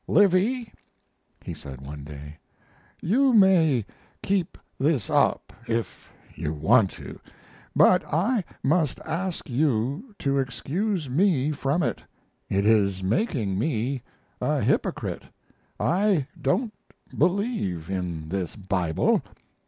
"Livy," he said one day, "you may keep this up if you want to, but I must ask you to excuse me from it. It is making me a hypocrite. I don't believe in this Bible.